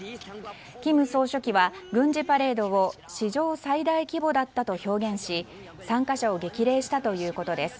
金総書記は軍事パレードを史上最大規模だったと表現し参加者を激励したということです。